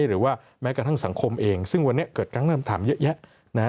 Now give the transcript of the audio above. หรือว่าแม้กระทั่งสังคมเองซึ่งวันนี้เกิดการเริ่มทำเยอะแยะนะฮะ